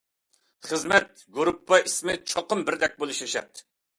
خىزمەت گۇرۇپپا ئىسمى چوقۇم بىردەك بولۇشى شەرت.